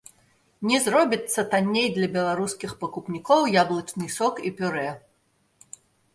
Не зробіцца танней для беларускіх пакупнікоў яблычны сок і пюрэ.